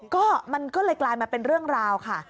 ก็มันก็เลยกลายมาเป็นเรื่องราวค่ะ